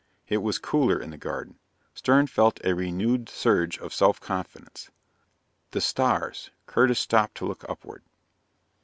It was cooler in the garden. Stern felt a renewed surge of self confidence. "The stars " Curtis stopped to look upward.